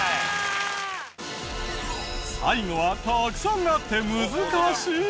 最後はたくさんあって難しい。